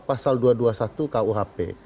pasal dua ratus dua puluh satu kuhp